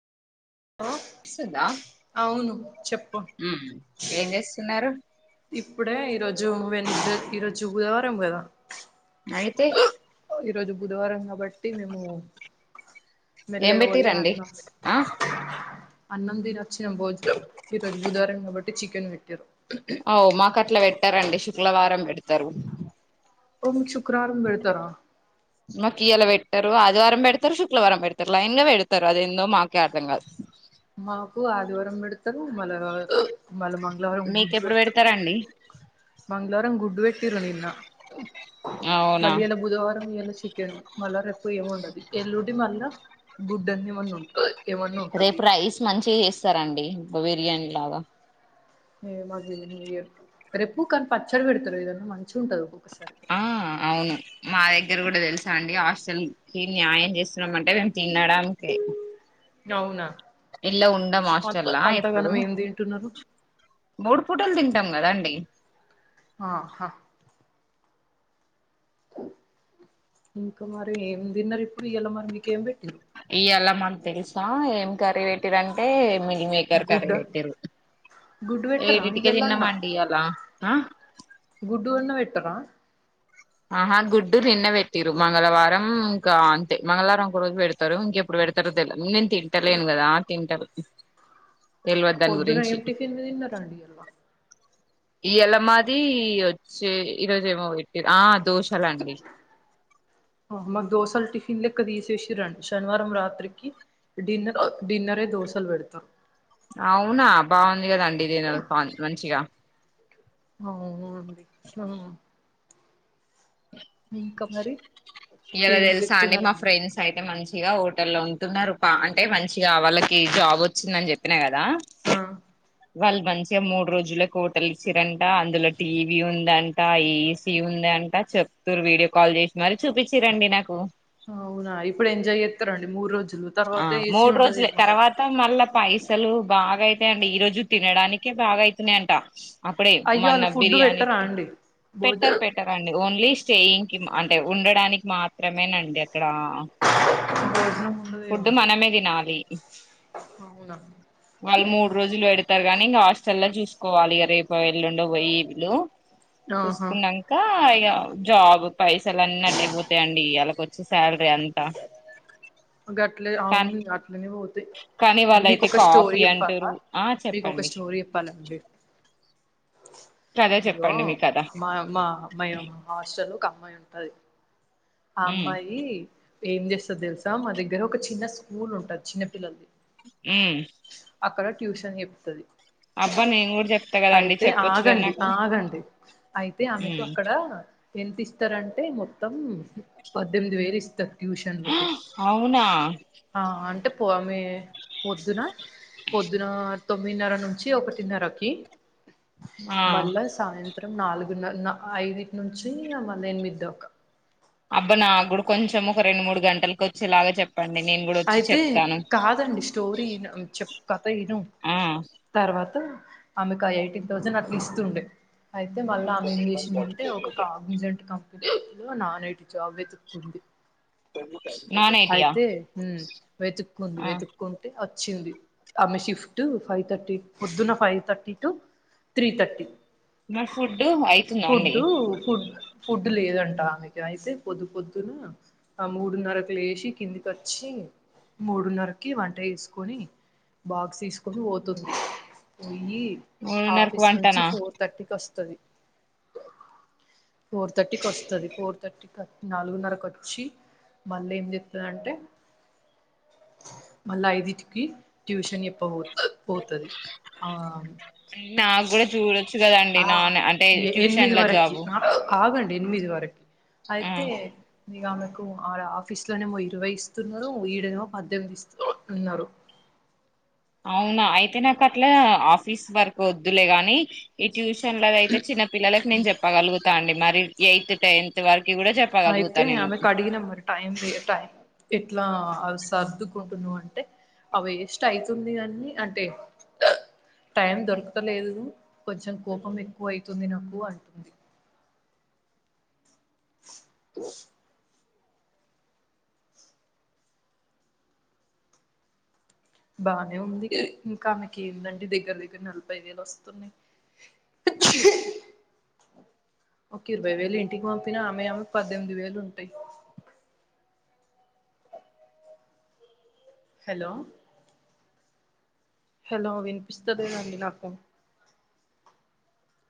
hello వస్తుందా అవును చెప్పు ఉమ్ ఏం చేస్తున్నారు ఇప్పుడే ఈరోజు వెన్స్ ఈరోజు బుధవారం కదా అయితే ఈరోజు బుధవారం కాబట్టి మేము ఏం వెల్లలు హోలీ పెట్టిరండి అడినం ఆ అన్నం తినొచ్చే ముందు ఈ రోజు బుధవారం కాబట్టి చికెన్ పెట్టారు అవు మాకు అట్లా పెట్టారండి శుక్రవారం పెడతారు ఓ శుక్రవారం పెడతారా మాకియలా పెట్టరు ఆదివారం పెడతారు శుక్లవారం పెడతారు లైన్ గా పెడతారు అది ఎందో మాకే అర్థం గాదు మాకు ఆదివారం పెడతారు మళ్ళ రొ ఇవాళ మంగళవారం గుడ్డు మీకెప్పుడు పెడతర్ పెడతారండి మంగళవారం గుడ్డు పెట్టిరు నిన్న అవునా మళ్ళ ఇయ్యాల బుధవారం ఇయ్యాల చికెను మళ్ళా రేపు ఏముండది ఎల్లుడి మళ్ళా గుడ్డ అన్ని మన్న ఉ రేపు రైస్ మంచిగా చేస్తారండి బిర్యానీ లాగా రే మళ్ళీ న్యూ ఇయర్ రెప్పు కానీ పచ్చడి పెడతారు ఏదన్నా మంచిగా ఉంటది ఒక్కొక్కసారి ఆ అవును మా దగ్గర కూడా తెలుసా అండి హాస్టల్ కి న్యాయం చేస్తున్నామ అంటే మేము తినడానికి అవునా ఇలా ఉండం అ హాస్టల్లా ఎప్పుడు అంతగానం ఏం తింటున్నారు మూడు పూటలు తింటాం కదా అండి ఆహా ఇంకా మరి ఏం తిన్నారు ఇప్పుడు ఇయాలా మరి మీకేం పెట్టిరు ఇయాళ మాకు తెలుసా ఏం కర్రీ టిరంటే మిల్లిమేకర్ గుడ్డ కర్రీ పెట్టిరు గుడ్డు పెట్టరా ఏడింటికే ఇయ్యాల అన్న తిన్నామండి ఇయాల ఆ గుడ్డు అన్న వెట్టరా ఆహా గుడ్డు నిన్నె పెట్టిరు మంగళవారం కా అంతే మంగళవారం ఒక రోజు పెడతారు ఇంకెప్పుడు పెడతారో తెలు నిన్ తింటలేను కదా తింటారు తెల్వదు దాని పొద్దున గురించి ఏం టిఫిన్ తిన్నారండి అల్వా ఇయాళ మాది వచ్చి ఈరోజు ఏమో పెట్టారు ఆ దోషలండి మా మాకు దోశలు టిఫిన్ లెక్క తీసేసి రండి శనివారం రాత్రికి డిన్నర్ డిన్నరే దోశలు పెడతా అవునా బాగుందిగా అండి ఇది స్వా మనిషిగా అవును ఇంకా మరి ఈడ ఏం తెలుసా అండి మా చెప్తున్నారండి ఫ్రెండ్స్ అయితే మంచిగా హోటల్ల్లో ఉంటున్నారు పా అంటే మంచిగా వాళ్ళకి జాబ్ వచ్చిందని చెప్పినా కదా ఆ వాళ్ళు మంచిగా మూడు రోజులకి హోటల్ ఇచ్చిరంట అందులో టీవీ ఉందంట ఏసీ ఉందంట చెప్తూరు వీడియో కాల్ చేసి మరి చూపించిరండి నాకు అవునా ఇప్పుడు ఎంజాయ్ చేస్తారండి మూడు రోజులు ఆ తర్వాత ఏసీ మూడు ఉండదు రోజులే ఏముండదు తర్వా త మళ్ళా పైసలు బాగా అయితాయండి ఈరోజు తినడానికే బాగా అయితున్నాయంట అప్పుడే అయ్యో వాళ్ళు మన్న ఫుడ్ బిర్యానీ పెట్టరా అండి భోజ పెట్టరు పెట్ తారండి ఓన్లీ స్టేయింగ్ కి అంటే ఉండడానికి మాత్రమేనండి అక్కడా ఆహా ఫుడ్డు మనమే తినాలి అవునా వాళ్ళు మూడు రోజులు పెడతారు గానీ ఇంగ హాస్టల్ లో చూసుకోవాలి ఇగ రేపు ఎల్లుండో పోయి ఈళ్ళు ఆహా చూసుకున్నాంక ఇగ జాబ్ పైసలు అన్నీ అట్టే అయిపోతాయండి ఇయ్యాల వ శాలరీ అంత గట్లే అవును అట్లనే పోతయి కానీ వాళ్ళయితే మీకోక స్టోరీ కాఫీ చెప్పాలా అంటారు ఆ మీకోక చెప్పండి స్టోరీ చెప్పాలండి కథ అయ్యో చెప్పండి మీ కథ మా మా మయ హాస్టల్లో ఒక అమ్మాయి ఉంటది ఆ ఉమ్ అమ్మాయి ఏం చేస్తదో తెలుసా మా దగ్గర ఒక చిన్న స్కూల్ ఉంటది చిన్న పిల్లలది ఉ అక్కడ ట్యూషన్ చెప్తది అబ్బా నేను కూడా చెప్తా కదండి అయితే చెప్పొచ్చు కదా ఆగండి నాకు ఆగండి అయితే ఆమెకు ఉమ్ అక్కడ ఎంత ఇస్తారంటే మొత్తం పద్దెనిమిది వేలు ఇస్తారు ట్యూషన్ లోకి అవునా ఆ అంటే పో ఆమె పొద్దునా పొద్దునా తొమ్మిదిన్నర నుంచి ఒకటిన్నరకి ఆ మళ్ళా సాయంత్రం నాలుగు నన్ ఐదుటి నుంచి మళ్ళ ఎనిమిది దాక అబ్బ నాకూడా కొంచెం ఒక రెండు మూడు గంటలకు వచ్చేలాగా చెప్ అయితే కాదండి స్టోరీ ఇను చెప్ కథ ఇను ఆ తర్వాత ఆమెకు ఎయిటీన్ థౌసండ్ అట్లా ఇస్తుండే అయితే మళ్ళీ ఆమె ఏం చేసిందంటే ఒక కాగ్నిజెంట్ కంపె ఏదో నాన్ ఐటీ జాబ్ వెతుక్కుంది డెము అయితే మ్మ్ వెతుక్కుంది ఆ వెతుక్ కుంటే వచ్చింది ఆమె షిఫ్ట్ ఫైవ్ థర్టీ పొద్దున five thirty to three thirty మరి ఫుడ్ అయితుందా అండి ఫుడ్డు ఫుడ్ ఫుడ్ లేదంట ఆమెకి అయితే పొద్దు పొద్దున ఆ మూడున్నరకు లేసి కిందికచ్చి మూడున్నరకి వంట చేసుకొని బాక్స్ తీసుకొని పోతుంది పోయి ఆ మూడున్నరకు ఆఫీస్ నుంచి వంటనా ఫోర్ తర్టీకస్తాది ఫోర్ థర్టీకస్తాది ఫోర్ థర్టీకి నాలుగున్నరకచ్చి మళ్ళా ఏం చెప్తాదంటే మళ్ళా ఐధిటికి ట్యూషన్ చేప్ప బో పోతది ఆ నాకు కూడా చూడొచ్చు కదండి ఆ నాన్ అంటే ఎనిమిది ట్యూషన్ల వరకి జాబు ఆగండి ఎనిమిది వరకు ఆ అయితే మీ ఆమెకు ఆడ ఆఫీస్ లోనేమో ఇరవై ఇస్తున్నారు ఈడనేమో పద్దెనిమిది ఇస్తు ఉన్నారు అవునా అయితే నాకట్లా ఆఫీస్ వర్క్ వద్దులే గాని ఈ ట్యూషన్లవయితే చిన్న పిల్లలకి నేను చెప్పగలుగుతా అండి మరి ఎయిత్ టెన్త్ వరకి కూడా చెప్ ఆయితే ఆమెకడిగిన మరి టైంకి టైం ఇట్లా సర్దుకుంటున్నా అంటే అవేస్టయతుంది అన్ని అంటే టైం దొరకతలేదు కొంచెం కోపం ఎక్కువ అయితుంది నాకు అంటుంది బానే ఉంది ఇంకామెకి ఏందండి దగ్గర దగ్గర నలభై వేలు వస్తున్నాయి్ హచ్ ఒకే ఇరవై వేలు ఇంటికి పంపినా ఆమె ఆమెకి పద్దెనిమిది వేలుంటాయి హలో హలో వినిపిస్తలేదండి నాకు